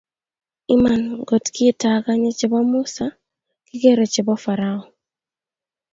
Iman ngotkitakanye chebo Musa kikere chebo pharao